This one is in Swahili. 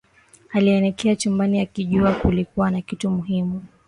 Alielekea chumbani akijua kulikuwa na kitu muhimu